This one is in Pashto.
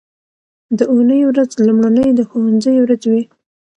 د اونۍ ورځ لومړنۍ د ښوونځي ورځ وي